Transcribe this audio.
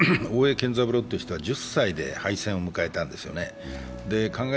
健三郎という人は１０歳で敗戦を迎えたんですよね。